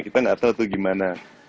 kita gak tau tuh gimana